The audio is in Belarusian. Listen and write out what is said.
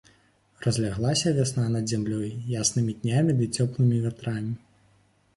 Разляглася вясна над зямлёй яснымі днямі ды цёплымі вятрамі.